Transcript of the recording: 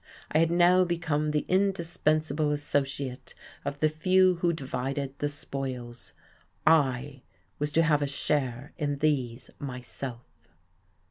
I had now become the indispensable associate of the few who divided the spoils, I was to have a share in these myself.